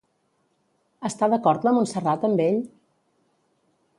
Està d'acord la Montserrat amb ell?